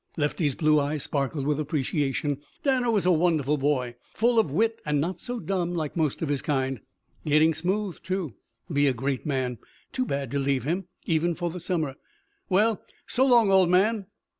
Lefty's blue eyes sparkled with appreciation. Danner was a wonderful boy. Full of wit and not dumb like most of his kind. Getting smooth, too. Be a great man. Too bad to leave him even for the summer. "Well so long, old man."